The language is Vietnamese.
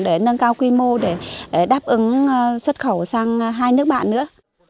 để nâng cao quy mô để đáp ứng xuất khẩu sang hai nước bạn nữa